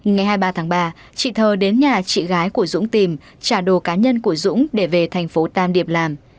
ngày hai mươi ba tháng ba chị thơ đến nhà chị gái của dũng tìm trả đồ cá nhân của dũng để về thành phố tam điệp làm